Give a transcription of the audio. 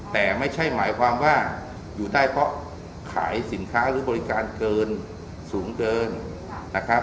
แต่ไม่ใช่หมายความว่าอยู่ได้เพราะขายสินค้าหรือบริการเกินสูงเกินนะครับ